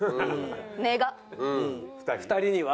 ２人には？